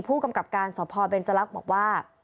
ผู้กำกับการสพเบนจรักษ์บอกว่า